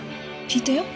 聞いたよ